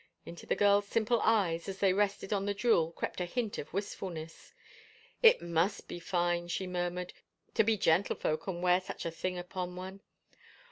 Into the girl's simple eyes as they rested on the jewel crept a hint of wistf ulness. " It must be fine," she murmured, " to be gentlefolk and wear such a thing upon one."